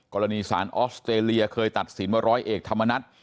กรณีสารออสเตรเลียเคยตัดสินว่าร้อยเอกธรรมนัฐ